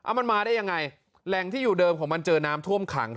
มันมาได้ยังไงแหล่งที่อยู่เดิมของมันเจอน้ำท่วมขัง